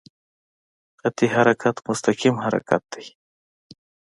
خطي حرکت مستقیم حرکت دی.